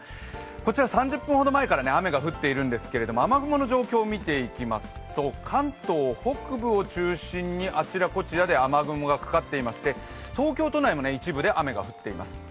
こちら３０分ほど前から雨が降っているんですけれども、雨雲の状況を見ていきますと関東北部を中心にあちらこちらで雨雲がかかっていまして東京都内でも一部で雨が降っています。